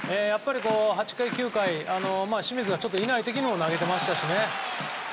８回９回、清水がいない時にも投げてましたしね。